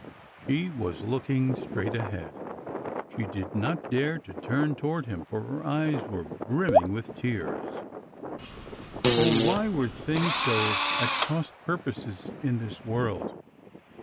'' She was looking straight ahead. She did not dare to | turn toward him, for her eyes were brimming with tears. Oh, why were things so at cross purposes in this world